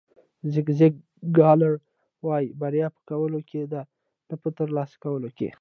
زیګ زیګلار وایي بریا په کولو کې ده نه په ترلاسه کولو.